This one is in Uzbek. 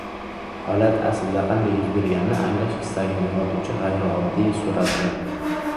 Holat aslida qanday yuz berganini anglash istagini uyg‘otuvchi g‘ayrioddiy suratlar